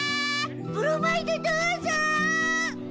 ブロマイドどうぞ！